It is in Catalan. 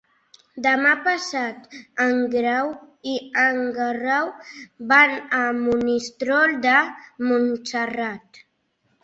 Demà passat en Grau i en Guerau van a Monistrol de Montserrat.